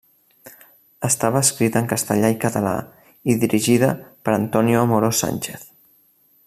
Estava escrita en castellà i català, i dirigida per Antonio Amorós Sánchez.